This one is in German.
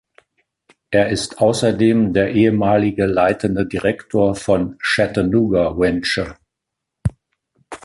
Er ist außerdem der ehemalige leitende Direktor von Chattanooga Venture.